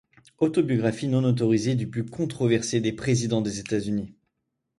Autobiographie non autorisée du plus controversé des présidents des États-Unis.